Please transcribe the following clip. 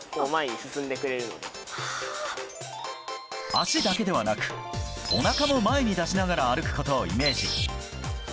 足だけではなくおなかも前に出しながら歩くことをイメージ。